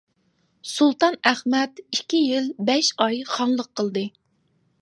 سۇلتان ئەخمەت ئىككى يىل بەش ئاي خانلىق قىلدى.